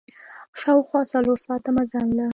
شاوخوا څلور ساعته مزل ده.